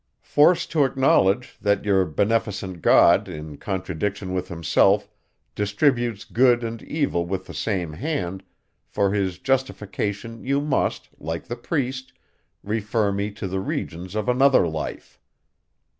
Forced to acknowledge, that your beneficent God, in contradiction with himself, distributes good and evil with the same hand, for his justification you must, like the priest, refer me to the regions of another life.